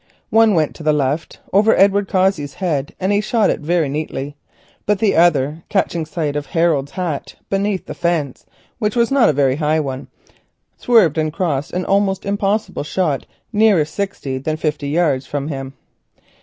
One went to the left over Edward Cossey's head, and he shot it very neatly, but the other, catching sight of Harold's hat beneath the fence, which was not a high one, swerved and crossed, an almost impossible shot, nearer sixty than fifty yards from him.